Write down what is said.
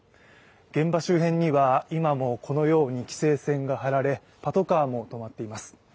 現場周辺には、今のこのように規制線が張られ、パトカーも止まっています。